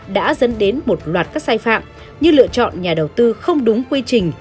đã dẫn đến một loạt các sai phạm như lựa chọn nhà đầu tư không đúng quy trình